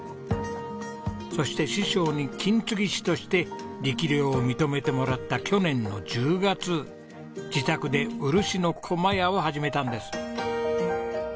そして師匠に金継ぎ師として力量を認めてもらった去年の１０月自宅でうるしの駒やを始めたんです。